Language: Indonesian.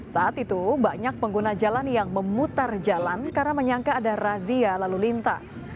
saat itu banyak pengguna jalan yang memutar jalan karena menyangka ada razia lalu lintas